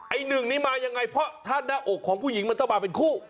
ไอ้หนึ่งนี้มายังไงเพราะถ้าหน้าอกของผู้หญิงมันต้องมาเป็นคู่